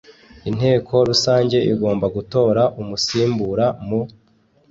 inteko rusange igomba gutora umusimbura mu